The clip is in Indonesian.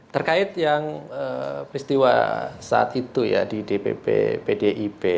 terkait yang peristiwa saat itu ya di dpp pdip